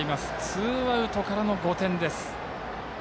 ツーアウトからの５点。